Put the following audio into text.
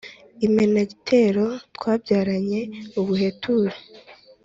Imenagitero twabyaranye ubuheture